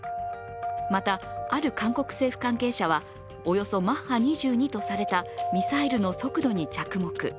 また、ある韓国政府関係者はおよそマッハ２２とされたミサイルの速度に着目。